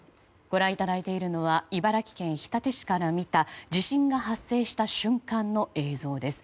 ご覧いただいているのは茨城県日立市から見た地震が発生した瞬間の映像です。